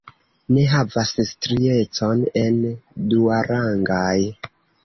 Ne havas striecon en duarangaj.